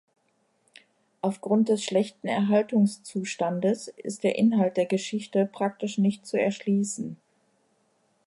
Aufgrund des schlechten Erhaltungszustandes ist der Inhalt der Geschichte praktisch nicht zu erschließen.